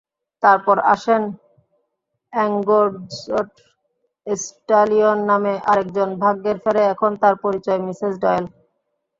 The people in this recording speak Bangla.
তারপর আসেন এঙ্গোর্জড স্ট্যালিয়ন নামে আরেকজন, ভাগ্যের ফেরে এখন তার পরিচয় মিসেস ডয়েল!